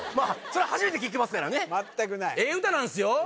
初めて聴きますからねまったくないええ歌なんすよ